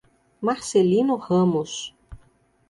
Marcelino Ramos